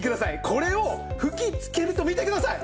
これを吹きつけると見てください！